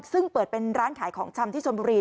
ซึ่งเปิดเป็นร้านขายของชำที่ชนบุรี